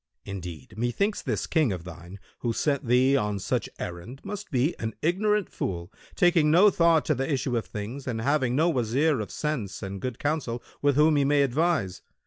Indeed, methinks this King of thine who sent thee on such errand must be an ignorant fool, taking no thought to the issue of things and having no Wazir of sense and good counsel, with whom he may advise.